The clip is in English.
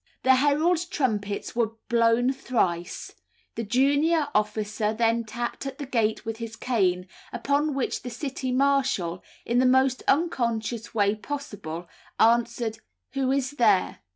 The herald's trumpets were blown thrice; the junior officer then tapped at the gate with his cane, upon which the City marshal, in the most unconscious way possible, answered, "Who is there?"